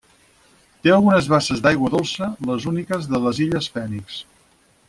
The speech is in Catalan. Té algunes basses d'aigua dolça, les úniques de les illes Fènix.